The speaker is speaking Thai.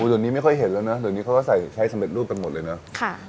อู๋ตอนนี้ไม่ค่อยเห็นแล้วเนอะตอนนี้เขาก็ใช้สำเร็จรูปไปหมดเลยเนอะ